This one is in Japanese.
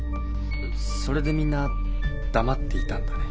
それでみんな黙っていたんだね。